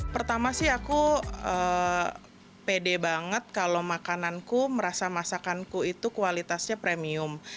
pertama sih aku pede banget kalau makananku merasa masakanku itu kualitasnya premium